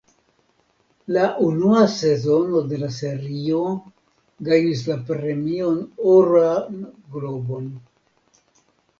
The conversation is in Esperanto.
La unua sezono de la serio gajnis la Premion Oran Globon.